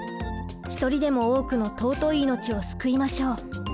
１人でも多くの尊い命を救いましょう。